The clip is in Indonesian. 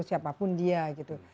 siapapun dia gitu